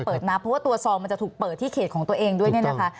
นับเพราะว่าตัวซองมันจะถูกเปิดที่เขตของตัวเองด้วยเนี่ยนะคะ